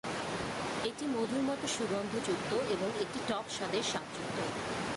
এটি মধুর মতো সুগন্ধযুক্ত এবং একটি টক স্বাদের স্বাদযুক্ত।